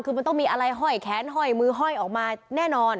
คือมันต้องมีอะไรห้อยแขนห้อยมือห้อยออกมาแน่นอน